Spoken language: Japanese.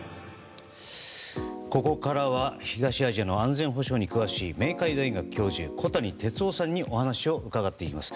ここからは東アジアの安全保障に詳しい明海大学教授、小谷哲男さんにお話を伺っていきます。